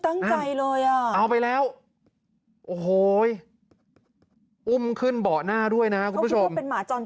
นั่นนั่นเอาไปแล้วโอ้โฮยอุ้มขึ้นเบาะหน้าด้วยนะคุณผู้ชมนี่คือตั้งใจเลยอ่ะ